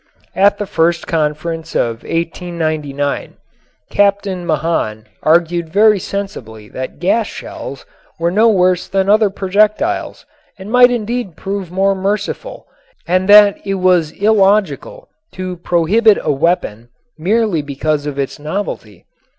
At the First Conference of 1899 Captain Mahan argued very sensibly that gas shells were no worse than other projectiles and might indeed prove more merciful and that it was illogical to prohibit a weapon merely because of its novelty.